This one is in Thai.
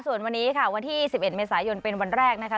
ส่วนวันนี้ค่ะวันที่๑๑เมษายนเป็นวันแรกนะคะ